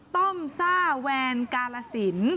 ต้มซ่าแวนกาลสิน